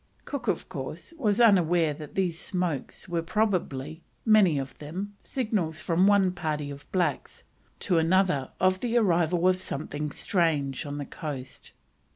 Cook, of course, was unaware that these "smokes" were probably, many of them, signals from one party of blacks to another of the arrival of something strange on the coast.